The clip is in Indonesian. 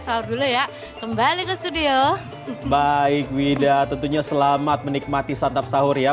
sahur dulu ya kembali ke studio baik wida tentunya selamat menikmati santap sahur ya